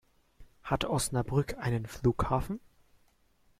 Hat Osnabrück einen Flughafen?